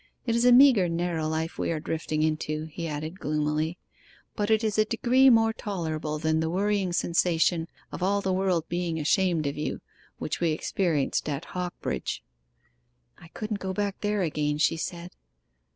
It is a meagre narrow life we are drifting into,' he added gloomily, 'but it is a degree more tolerable than the worrying sensation of all the world being ashamed of you, which we experienced at Hocbridge.' 'I couldn't go back there again,' she said.